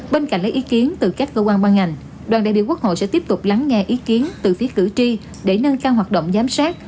bên cạnh lấy ý kiến từ các cơ quan ban ngành đoàn đại biểu quốc hội sẽ tiếp tục lắng nghe ý kiến từ phía cử tri để nâng cao hoạt động giám sát